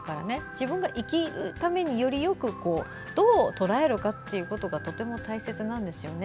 自分が生きるためによりよくどうとらえるかということがとても大切なんですよね。